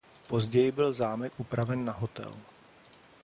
Později byl zámek upraven na hotel.